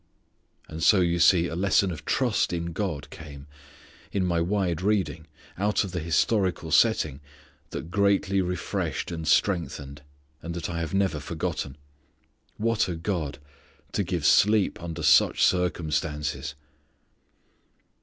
And so you see a lesson of trust in God came, in my wide reading, out of the historical setting, that greatly refreshed and strengthened, and that I have never forgotten. What a God, to give sleep under such circumstances!